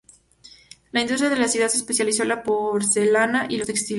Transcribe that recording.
La industria de la ciudad se especializó en la porcelana y los textiles.